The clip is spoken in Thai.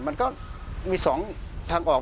มันก็มี๒ทางออก